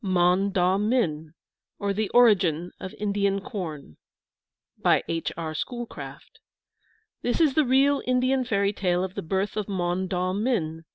MON DAW MIN, OR THE ORIGIN OF INDIAN CORN BY H. R. SCHOOLCRAFT. This is the real Indian fairy tale of the birth of Mon daw min.